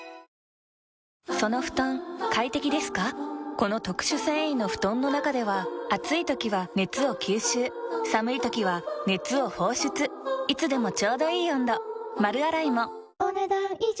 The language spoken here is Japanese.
この特殊繊維の布団の中では暑い時は熱を吸収寒い時は熱を放出いつでもちょうどいい温度丸洗いもお、ねだん以上。